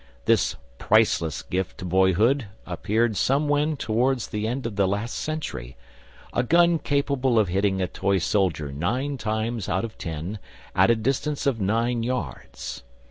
This priceless gift to boyhood appeared somewhen towards the end of the last century, a gun capable of hitting a toy soldier nine times out of ten at a distance of nine yards.